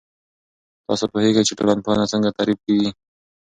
تاسو پوهیږئ چې ټولنپوهنه څنګه تعريف کیږي؟